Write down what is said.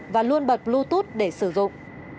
và luôn bật bluetooth để sử dụng